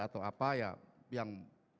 atau apa yang